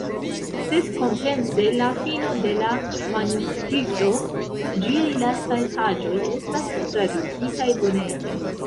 Sed kompense la fino de la manuskripto, ĝiaj lastaj paĝoj, estas tradukitaj bonege.